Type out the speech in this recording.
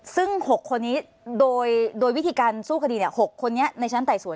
ซึ่ง๖คนนี้โดยวิธีการสู้คดี๖คนนี้ในชั้นไต่สวน